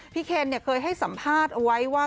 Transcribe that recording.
พี่เคนเคยให้สัมภาษณ์ไว้ว่า